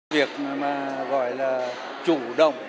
việc mà gọi là chủ động